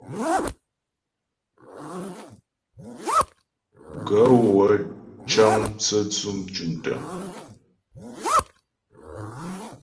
Gaê wə́ cə́ŋ mtsə́tsʉ̂ tʉ̀mtə̀.